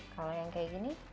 kalau yang kayak gini